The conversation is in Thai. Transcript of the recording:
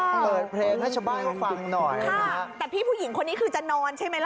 มีเพลงก็ชบบ้ายก็ฟังหน่อยแต่พี่ผู้หญิงคนนี้คือจะนอนใช่ไหมล่ะ